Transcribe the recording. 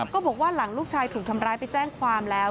ก็บอกว่าหลังลูกชายถูกทำร้ายไปแจ้งความแล้ว